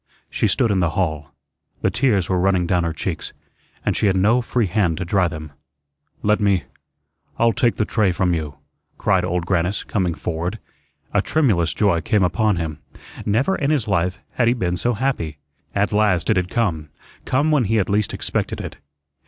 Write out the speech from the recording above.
She stood in the hall. The tears were running down her cheeks, and she had no free hand to dry them. "Let me I'll take the tray from you," cried Old Grannis, coming forward. A tremulous joy came upon him. Never in his life had he been so happy. At last it had come come when he had least expected it.